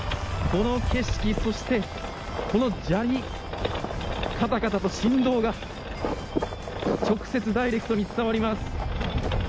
この景色、そしてこの砂利カタカタと振動が直接ダイレクトに伝わります。